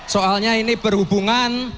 soalnya ini berhubungan